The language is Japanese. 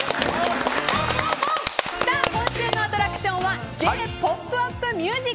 今週のアトラクションはＪ‐ポップＵＰ！